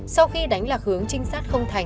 sau khi đánh lạc hướng trinh sát không thành